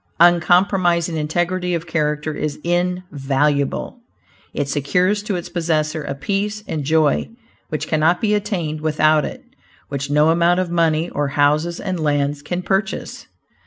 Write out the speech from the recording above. Uncompromising integrity of character is invaluable. It secures to its possessor a peace and joy which cannot be attained without it which no amount of money, or houses and lands can purchase.